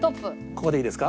ここでいいですか？